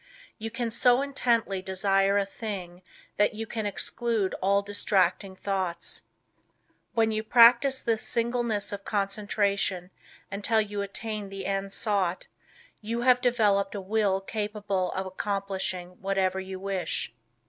You can so intently desire a thing that you can exclude all distracting thoughts. When you practice this singleness of concentration until you attain the end sought, you have developed a Will capable of accomplishing whatever you wish.